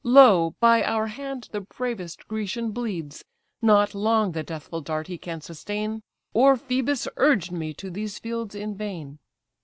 Lo! by our hand the bravest Grecian bleeds, Not long the deathful dart he can sustain; Or Phœbus urged me to these fields in vain."